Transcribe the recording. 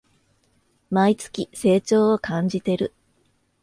毎月、成長を感じてる